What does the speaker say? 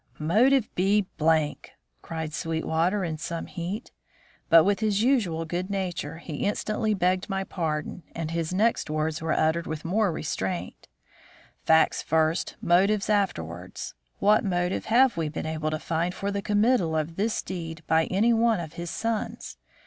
"Motive be !" cried Sweetwater, in some heat. But, with his usual good nature, he instantly begged my pardon, and his next words were uttered with more restraint. "Facts first, motives afterwards. What motive have we been able to find for the committal of this deed by any one of his sons?